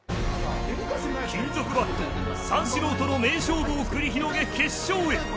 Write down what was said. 金属バット、三四郎との名勝負を繰り広げ決勝へ。